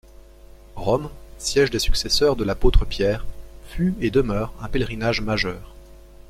Rome, siège des successeurs de l'apôtre Pierre, fut et demeure un pèlerinage majeur.